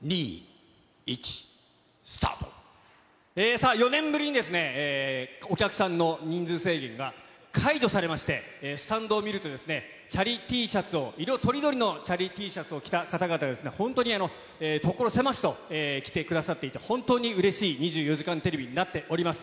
さあ、４年ぶりにお客さんの人数制限が解除されまして、スタンドを見ると、チャリＴシャツを、色とりどりのチャリＴシャツを方々、本当に所狭しと来てくださっていて、本当にうれしい２４時間テレビとなっています。